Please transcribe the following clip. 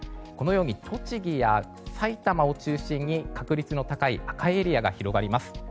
栃木や埼玉を中心に確率の高い赤いエリアが広がります。